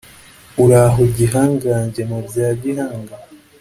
uraho gihangange mu bya gihanga’